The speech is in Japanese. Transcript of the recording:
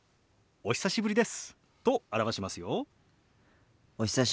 お久しぶりです。